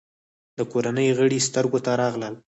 د کورنۍ غړي سترګو ته راغلل.